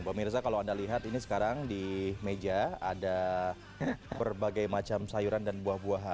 pemirsa kalau anda lihat ini sekarang di meja ada berbagai macam sayuran dan buah buahan